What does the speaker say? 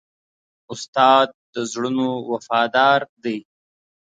استاد د زړونو وفادار دی.